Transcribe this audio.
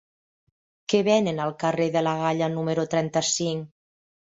Què venen al carrer de la Galla número trenta-cinc?